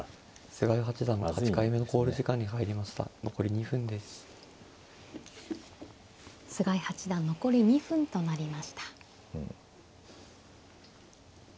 菅井八段残り２分となりました。